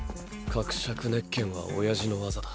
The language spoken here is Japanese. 赫灼熱拳は親父の技だ。